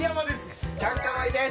チャンカワイです。